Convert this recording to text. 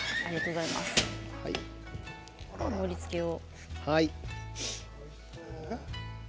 盛りつけを。